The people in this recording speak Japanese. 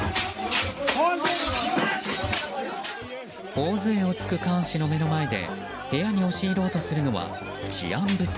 頬杖をつくカーン氏の目の前で部屋に押し入ろうとするのは治安部隊。